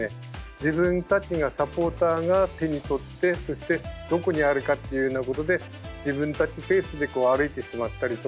自分たちがサポーターが手に取ってそしてどこにあるかっていうようなことで自分たちペースで歩いてしまったりとかですね